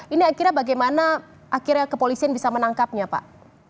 ini akhirnya bagaimana akhirnya kepolisian bisa menangkapnya pak